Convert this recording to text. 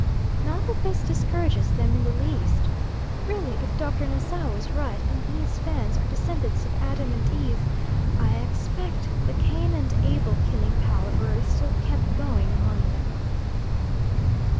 Not that this discourages them in the least. Really if Dr. Nassau is right, and these Fans are descendants of Adam and Eve, I expect the Cain and Abel killing palaver is still kept going among them.